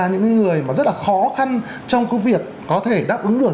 những người rất là khó khăn trong việc có thể đáp ứng được